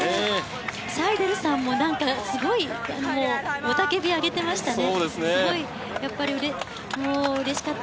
サイデルさんも、雄たけびをあげていましたね。